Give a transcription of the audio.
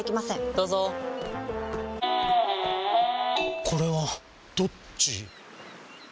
どうぞこれはどっち？